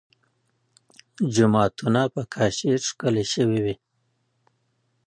جوماتونه په کاشي ښکلي شوي.